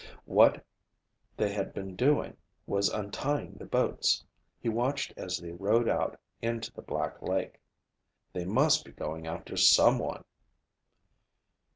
What they had been doing was untying the boats. He watched as they rowed out onto the black lake. They must be going after someone!